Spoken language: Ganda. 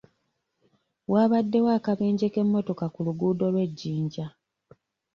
Waabaddewo akabenje k'emmotoka ku luguudo lw'e Jinja.